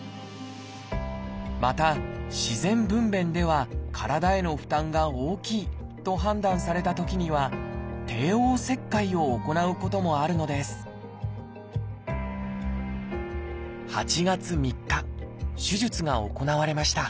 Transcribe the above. また自然分娩では体への負担が大きいと判断されたときには帝王切開を行うこともあるのです８月３日手術が行われました。